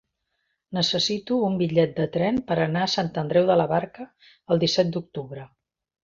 Necessito un bitllet de tren per anar a Sant Andreu de la Barca el disset d'octubre.